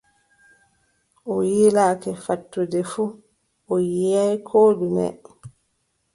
O yiilake fattude fuu, o yiʼaay koo ɗume!